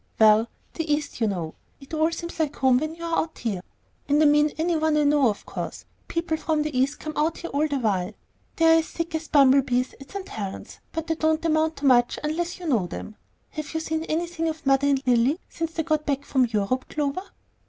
"Well; the East, you know. It all seems like home when you're out here. And I mean any one that I know, of course. People from the East come out all the while. They are as thick as bumblebees at St. Helen's, but they don't amount to much unless you know them. Have you seen anything of mother and Lilly since they got back from Europe, Clover?"